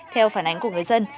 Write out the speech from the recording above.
theo phản ánh của người dân